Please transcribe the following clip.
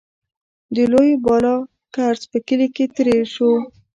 د لوی بالاکرز په کلي کې تېر شوو.